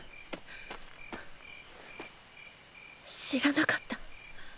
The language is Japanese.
知らなかった。